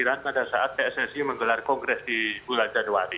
bahan pokok pokok fisik pada saat pssi menggelar kongres di bulan januari